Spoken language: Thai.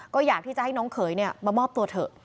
ก็อยากที่จะให้น้องเขยมามอบตัวเถอะ